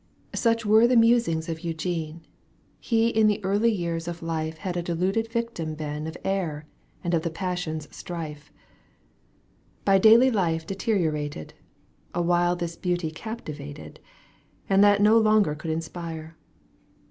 Such were the musings of Eugene. л He in the early years of life Had a deluded victim been Of error and the passions' strife. By daily life deteriorated, Awhile this beauty captivated. And that no longer could inspire.